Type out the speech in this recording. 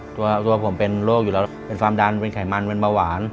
ตัวผมเป็นโรคอยู่แล้วเป็นความดันเป็นไขมันเป็นเบาหวาน